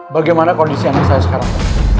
bagaimana kondisi anak saya sekarang